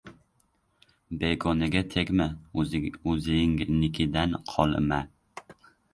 • Begonaga tegma, o‘zingnikidan qolma.